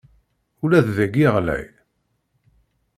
Ula d dayi ɣlay.